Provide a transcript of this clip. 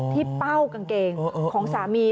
เป้ากางเกงของสามี